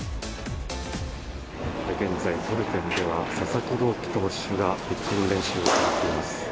現在、ブルペンでは佐々木朗希投手がピッチング練習を行っています。